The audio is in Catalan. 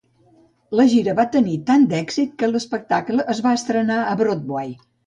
La gira va tenir tant d'èxit, que l'espectacle es va estrenar a Broadway.